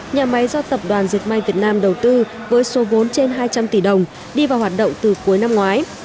nhà máy do tập đoàn diệt may việt nam đầu tư với số vốn trên hai trăm linh tỷ đồng đi vào hoạt động từ cuối năm ngoái